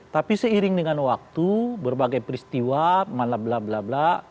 tapi seiring dengan waktu berbagai peristiwa malah bla bla bla